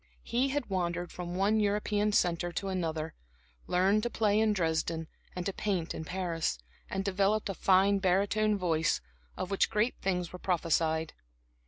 He had wandered from one European centre to another; learned to play in Dresden and to paint in Paris, and developed a fine barytone voice, of which great things were prophesied.